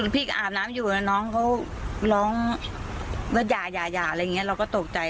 พี่ก็อาบน้ำอยู่แล้วน้องเขาร้องแล้วอย่าอะไรอย่างนี้เราก็ตกใจ